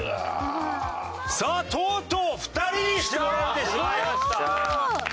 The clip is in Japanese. さあとうとう２人に絞られてしまいました。